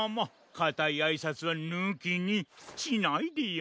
かたいあいさつはぬきにしないでよ。